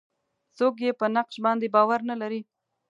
څوک یې په نقش باندې باور نه لري.